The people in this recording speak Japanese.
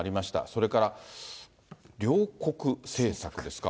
それから、糧穀政策ですか。